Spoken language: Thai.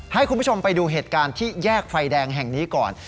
ให้คุณผู้ชมไปดูเหตุการณ์ที่แยกไฟแดงแห่งนี้ก่อน